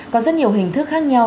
có rất nhiều hình thức khác nhau